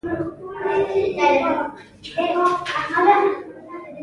چاغ راتاوشو ځوان يې له مټې ونيو.